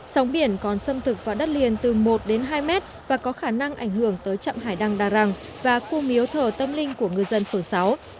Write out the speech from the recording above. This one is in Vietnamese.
sóng biển còn xâm thực vào đất liền từ một đến hai mét và có khả năng ảnh hưởng tới trạm hải đăng đà răng và khu miếu thờ tâm linh của ngư dân phường sáu